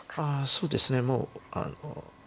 そうですねもう若手で。